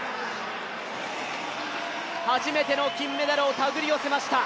初めての金メダルを手繰り寄せました。